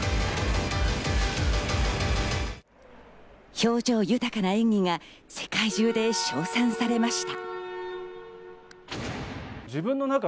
表情豊かな演技が世界中で称賛されました。